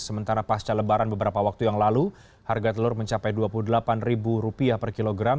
sementara pasca lebaran beberapa waktu yang lalu harga telur mencapai rp dua puluh delapan per kilogram